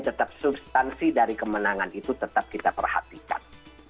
tetap substansi dari kemenangan itu tetap kita perhatikan